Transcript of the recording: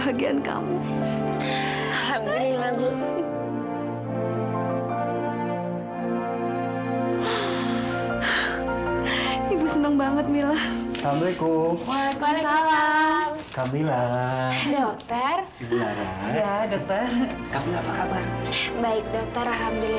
baik dokter alhamdulillah